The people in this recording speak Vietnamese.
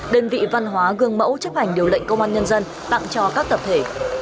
đơn vị văn hóa gương mẫu chấp hành điều lệnh công an nhân dân tặng cho các tập thể